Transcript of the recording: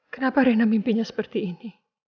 kenapa rena mimpinya seperti ini